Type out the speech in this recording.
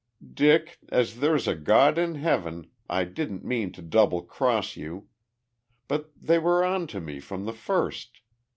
"Dick, as there's a God in heaven I didn't mean to double cross you. But they were on to me from the first.